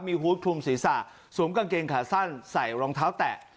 มีฮูตคลุมศีรษะสวมกางเกงขาสั้นใส่รองเท้าแตะ